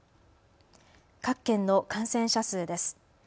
各県の感染者数です。